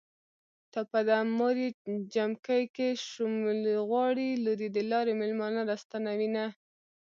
ټپه ده.: موریې جمکی کې شوملې غواړي ــــ لوریې د لارې مېلمانه را ستنوینه